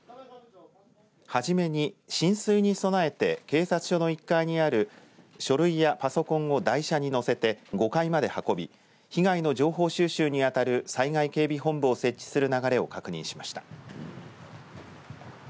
はじめに浸水に備えて警察署の１階にある書類やパソコンを台車に乗せて５階まで運び被害の情報収集に当たる災害警備本部を設置する流れを確認しました。